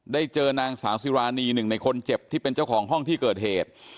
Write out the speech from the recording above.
ได้เจอนางสาวสิรานีหนึ่งในคนเจ็บที่เป็นเจ้าของห้องที่เกิดเหตุ